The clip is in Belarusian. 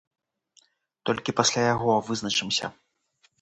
Толькі пасля яго вызначымся.